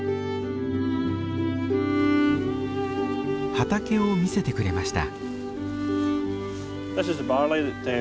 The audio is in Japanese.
畑を見せてくれました。